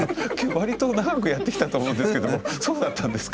割と長くやってきたと思うんですけどもそうだったんですか？